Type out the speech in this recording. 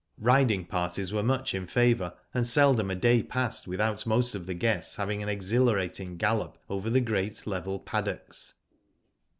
Riding parties were much in favour, and seldom a day passed without most of the guests having an exhilarating gallop over the great lefvel paddocks.